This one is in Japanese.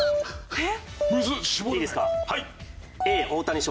えっ？